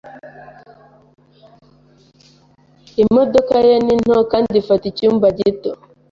Imodoka ye ni nto kandi ifata icyumba gito.